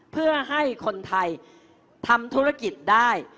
เพื่อให้คนไทยทำธุรกิจได้